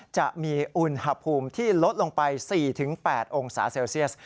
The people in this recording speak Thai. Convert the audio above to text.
จะมีอุณหภูมิที่ลดลงไป๔๘องศาเซลเซียส